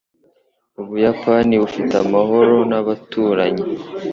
Ubuyapani bufite amahoro n’abaturanyi.